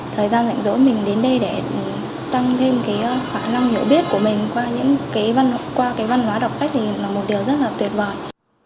thời gian dành dỗi mình đến đây để tăng thêm khả năng hiểu biết của mình qua văn hóa đọc sách là một điều rất là tuyệt vời